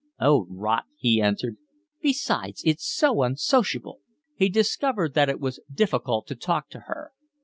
"Oh, rot!" he answered. "Besides, it's so unsociable." He discovered that it was difficult to talk to her.